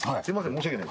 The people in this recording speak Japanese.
申し訳ない。